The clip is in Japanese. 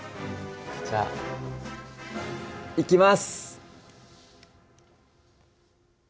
じゃあいきます！